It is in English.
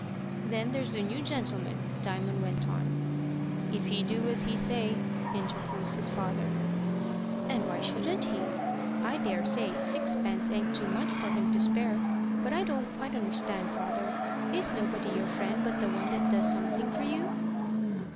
"Then there's the new gentleman," Diamond went on. "If he do as he say," interposed his father. "And why shouldn't he? I daresay sixpence ain't too much for him to spare. But I don't quite understand, father: is nobody your friend but the one that does something for you?"